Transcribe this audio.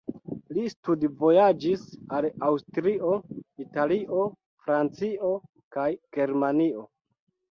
Li studvojaĝis al Aŭstrio, Italio, Francio kaj Germanio.